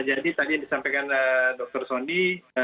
jadi tadi yang disampaikan dr sondi